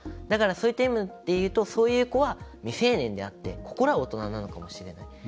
だから、そういった意味でいうとそういった子は未成年であって心は大人なのかもしれない。